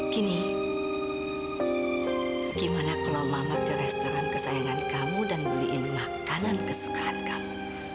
gini gimana kalau mamat di restoran kesayangan kamu dan beliin makanan kesukaan kamu